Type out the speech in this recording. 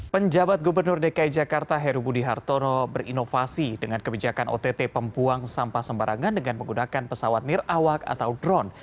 penjabat gubernur dki jakarta heru budi hartono berinovasi dengan kebijakan ott pembuang sampah sembarangan dengan menggunakan pesawat nirawak atau drone